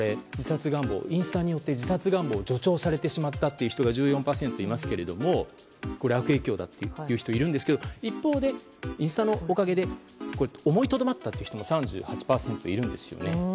インスタによって自殺願望が助長されてしまったという人が１４％いますけれども悪影響だという人がいるんですが一方、インスタのおかげで思いとどまったという人も３８％いるんですよね。